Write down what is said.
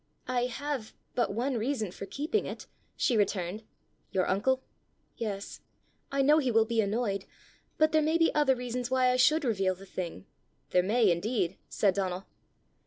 "I have but one reason for keeping it," she returned. "Your uncle?" "Yes; I know he will be annoyed. But there may be other reasons why I should reveal the thing." "There may indeed!" said Donal.